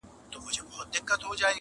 روح مي نیم بسمل نصیب ته ولیکم.!